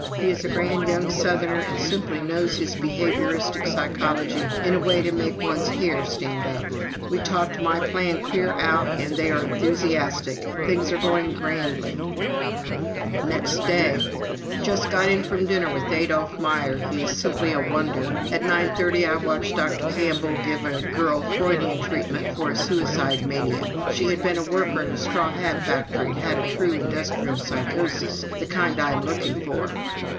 He is a grand young southerner and simply knows his behavioristic psychology in a way to make one's hair stand up. We talked my plan clear out and they are enthusiastic. ... Things are going grandly." Next day: "Just got in from dinner with Adolph Meyer. He is simply a wonder. ... At nine thirty I watched Dr. Campbell give a girl Freudian treatment for a suicide mania. She had been a worker in a straw hat factory and had a true industrial psychosis the kind I am looking for."